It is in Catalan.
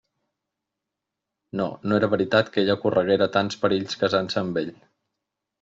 No; no era veritat que ella correguera tants perills casant-se amb ell.